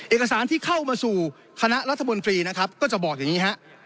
เอกสารที่เข้ามาสู่คณะรัฐมนตรีนะครับก็จะบอกอย่างนี้ฮะ